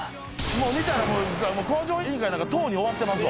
見たら『向上委員会』なんかとうに終わってますわ。